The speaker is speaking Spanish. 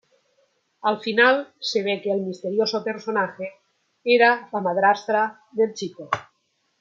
Al final se ve que el misterioso personaje era la madrastra del chico.